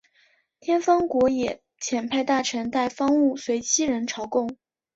天方国也派遣大臣带方物随七人朝贡。